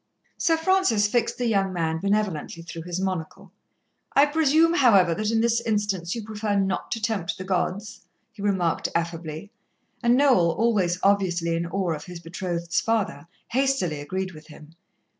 Sir Francis fixed the young man benevolently through his monocle. "I presume, however, that in this instance you prefer not to tempt the gods," he remarked affably, and Noel, always obviously in awe of his betrothed's father, hastily agreed with him.